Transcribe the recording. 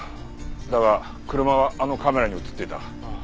だが車はあのカメラに映っていた。